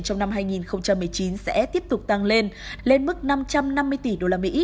trong năm hai nghìn một mươi chín sẽ tiếp tục tăng lên lên mức năm trăm năm mươi tỷ usd